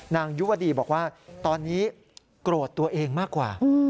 ยุวดีบอกว่าตอนนี้โกรธตัวเองมากกว่า